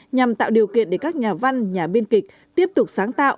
nhằm tạo điều kiện để các nhà văn nhà biên kịch tiếp tục sáng tạo